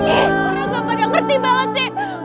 ih orang orang pada ngerti banget sih